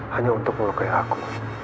hanya untuk melukai aku